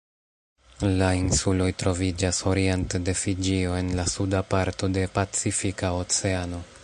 La insuloj troviĝas oriente de Fiĝio en la suda parto de Pacifika Oceano.